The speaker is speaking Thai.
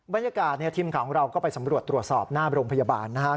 บรรยากาศทีมข่าวของเราก็ไปสำรวจตรวจสอบหน้าโรงพยาบาลนะครับ